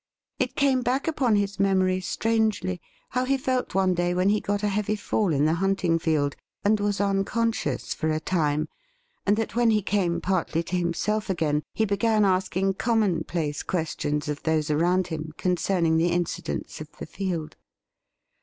It came back upon his memory strangely how he felt one day when he got a heavy fall in the hunting field, and was unconscious for a time, and that when he came partly to himself again he began asking commonplace questions of those around him concerning the incidents of the field.